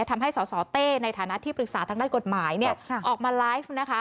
ทำให้สสเต้ในฐานะที่ปรึกษาทางด้านกฎหมายเนี่ยออกมาไลฟ์นะคะ